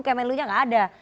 kemen lu nya tidak ada